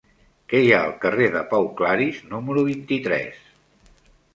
Què hi ha al carrer de Pau Claris número vint-i-tres?